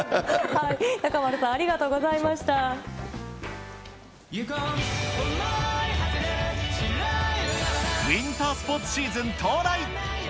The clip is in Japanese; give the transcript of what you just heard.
中丸さん、ありがとうございウインタースポーツシーズン到来。